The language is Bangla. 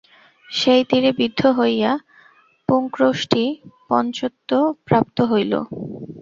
সেই তীরে বিদ্ধ হইয়া পুংক্রৌঞ্চটি পঞ্চত্বপ্রাপ্ত হইল।